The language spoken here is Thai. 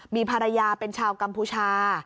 มีภรรยาเป็นชาวกัมพูชา